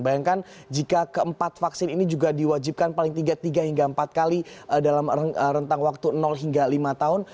bayangkan jika keempat vaksin ini juga diwajibkan paling tiga tiga hingga empat kali dalam rentang waktu hingga lima tahun